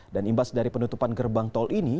dan imbas dari penutupan gerbang tol ini